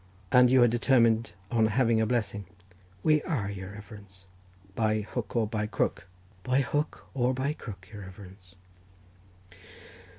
"And you are determined on having a blessing?" "We are, your reverence." "By hook or by crook?" "By hook or by crook, your reverence."